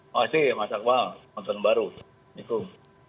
mas akmal masak baru assalamu'alaikum